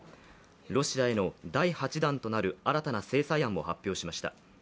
ロシアへの第８弾となる新たな制裁案を発表しました。